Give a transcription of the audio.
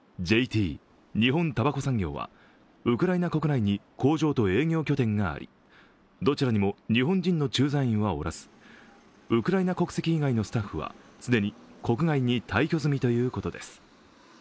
ＪＴ＝日本たばこ産業はウクライナ国内に工場と営業拠点がありどちらにも日本人の駐在員はおらずウクライナ国籍以外のスタッフは既に国外に退去済みということです。